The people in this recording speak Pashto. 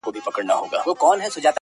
رقیبي سترګي وینمه په کور کي د مُغان!!